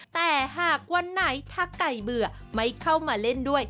แต่หากวันไหนถ้าไก่เบื่อไม่เข้ามาเล่นด้วย